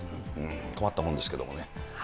困ったもんですけどね。